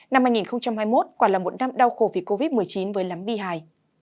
năm hai nghìn hai mươi một quả là một năm đau khổ vì covid một mươi chín với lắm bi hài